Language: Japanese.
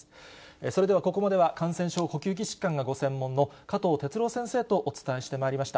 それではここまでは、感染症、呼吸器疾患がご専門の加藤哲朗先生とお伝えしてまいりました。